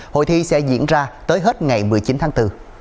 hội thi sẽ diễn ra tới hết ngày một mươi chín tháng bốn